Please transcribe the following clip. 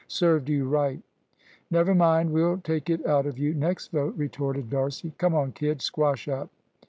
"Served you right!" "Never mind, we'll take it out of you, next vote," retorted D'Arcy. "Come on, kid; squash up."